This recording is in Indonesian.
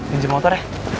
ini jam motor ya